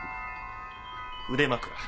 腕枕。